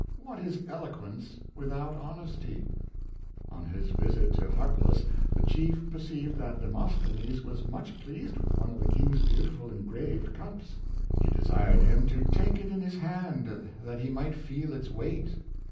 What is eloquence without hon esty .^ On his visit to Harpalus, the chief perceived that Demosthenes was much pleased with one of the king's beautifully engraved cups. He desired him to take it in his hand that he might feel its weight.